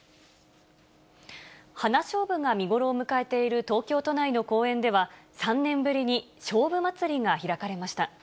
花しょうぶが見頃を迎えている、東京都内の公園では、３年ぶりに菖蒲まつりが開かれました。